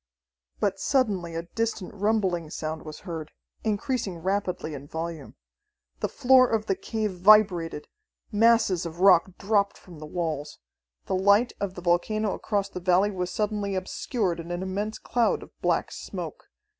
But suddenly a distant rumbling sound was heard, increasing rapidly in volume. The floor of the cave vibrated; masses of rock dropped from the walls. The light of the volcano across the valley was suddenly obscured in an immense cloud of black smoke.